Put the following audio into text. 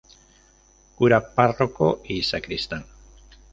Cura párroco y sacristán.